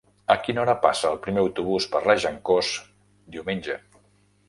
A quina hora passa el primer autobús per Regencós diumenge?